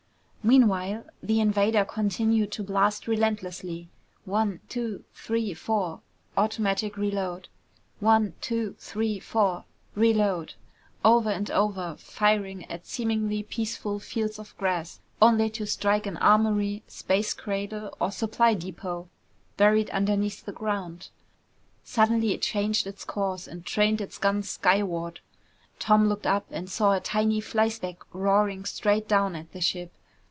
Meanwhile, the invader continued to blast relentlessly. One two three four automatic reload one two three four, reload. Over and over, firing at seemingly peaceful fields of grass, only to strike an armory, space cradle, or supply depot buried underneath the ground. Suddenly it changed its course and trained its guns skyward. Tom looked up and saw a tiny flyspeck roaring straight down at the ship.